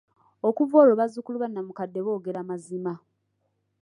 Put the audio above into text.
Okuva olwo bazukulu banamukadde boogera amazima.